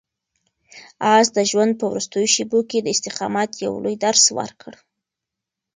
آس د ژوند په وروستیو شېبو کې د استقامت یو لوی درس ورکړ.